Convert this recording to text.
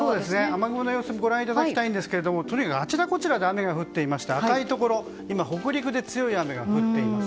雨雲の様子ご覧いただきたいんですがとにかく、あちらこちらで雨が降っていまして赤いところ今、北陸で強い雨が降っています。